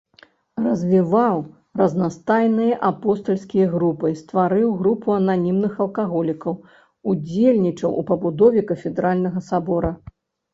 Развіваў разнастайныя апостальскія групы, стварыў групу ананімных алкаголікаў, удзельнічаў у пабудове кафедральнага сабора.